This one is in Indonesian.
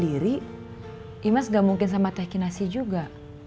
tapi imas gak mungkin sama teh kinasi juga